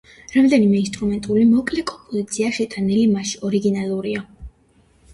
რამდენიმე ინსტრუმენტული მოკლე კომპოზიცია, შეტანილი მასში, ორიგინალურია.